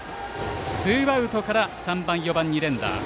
ツーアウトから３番、４番に連打。